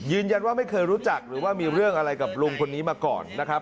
ไม่เคยรู้จักหรือว่ามีเรื่องอะไรกับลุงคนนี้มาก่อนนะครับ